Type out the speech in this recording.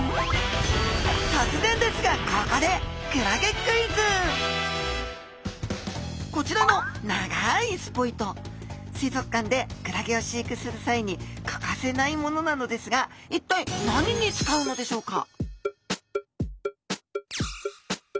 とつぜんですがここでこちらの水族館でクラゲを飼育する際に欠かせないものなのですがいったい何に使うのでしょうか？